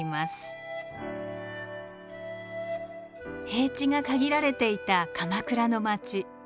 平地が限られていた鎌倉の町。